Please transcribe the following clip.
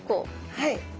はい。